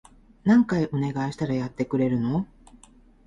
何回お願いしたらやってくれるの？